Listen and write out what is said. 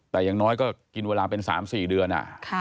แต่อย่างน้อยก็กินเวลาเป็น๓๔เดือน